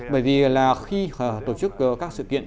bởi vì là khi tổ chức các sự kiện